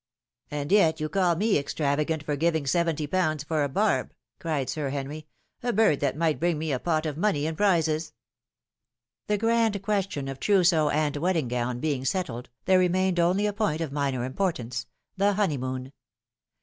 " And yet you call me extravagant for giving seventy pounds for a barb !" cried Sir Henry ;" a bird that might bring me a pot of money in prizes." The grand question of trousseau and wedding gown being settled, there remained only a point of minor importance the honeymoon.